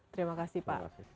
terima kasih pak terima kasih